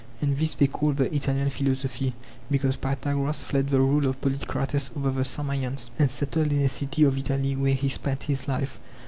And this they call the Italian philo sophy because Pythagoras fled the rule of Polykrates over the Samians and settled in a city of Italy where he spent his life.